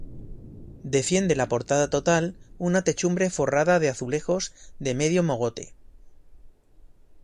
Defiende la portada total una techumbre forrada de azulejos de medio mogote.